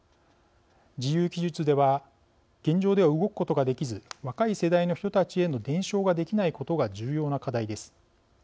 自由記述では「現状では動くことができず若い世代の人たちへの伝承ができないことが重要な課題です」